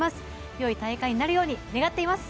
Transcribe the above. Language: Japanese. よい大会になるように願っています！